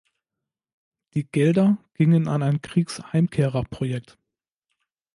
Die Gelder gingen an ein Kriegsheimkehrer-Projekt.